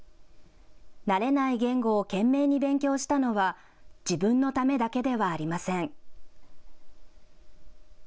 慣れない言語を懸命に勉強したのは自分のためだけではありません。